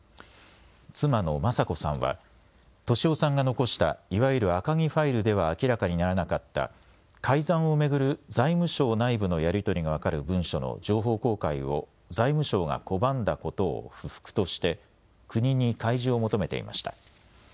妻の雅子さんは俊夫さんが残したいわゆる赤木ファイルでは明らかにならなかった改ざんを巡る財務省内部のやり取りが分かる文書の情報公開を財務省が拒んだことを不服として国に開示を求めていました。